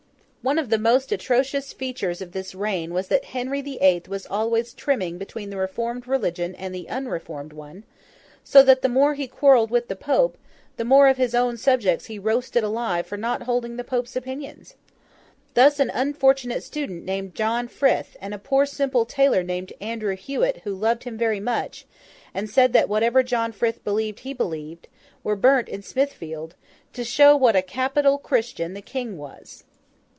One of the most atrocious features of this reign was that Henry the Eighth was always trimming between the reformed religion and the unreformed one; so that the more he quarrelled with the Pope, the more of his own subjects he roasted alive for not holding the Pope's opinions. Thus, an unfortunate student named John Frith, and a poor simple tailor named Andrew Hewet who loved him very much, and said that whatever John Frith believed he believed, were burnt in Smithfield—to show what a capital Christian the King was.